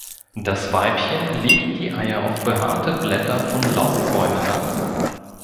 Das Weibchen legt die Eier auf behaarte Blätter von Laubbäumen ab.